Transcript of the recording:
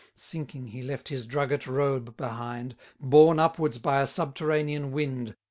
Sinking he left his drugget robe behind, Borne upwards by a subterranean wind.